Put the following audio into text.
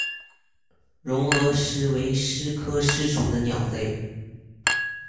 绒额䴓为䴓科䴓属的鸟类。